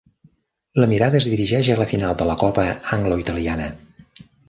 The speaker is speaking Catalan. La mirada es dirigeix a la final de la Copa Anglo-Italiana.